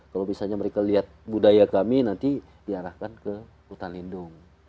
kalau misalnya mereka lihat budaya kami nanti diarahkan ke hutan lindung